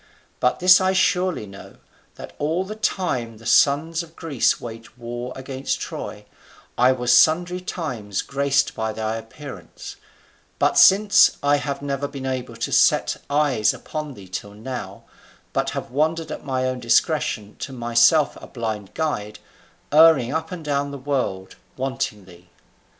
But this I surely know, that all the time the sons of Greece waged war against Troy, I was sundry times graced with thy appearance; but since, I have never been able to set eyes upon thee till now; but have wandered at my own discretion, to myself a blind guide, erring up and down the world, wanting thee."